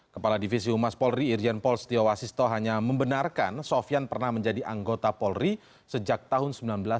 kepala divisi humas polri irjen pol setio wasisto hanya membenarkan sofian pernah menjadi anggota polri sejak tahun seribu sembilan ratus sembilan puluh